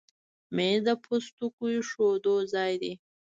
مېز د پوستکو ایښودو ځای دی.